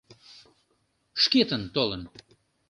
Шкетын толын.